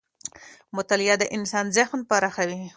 مطالعه د انسان ذهن پراخوي